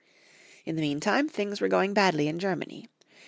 In the meantime things were going badly in Ger many.